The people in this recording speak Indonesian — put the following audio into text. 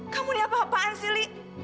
kamu liat apa apaan sih li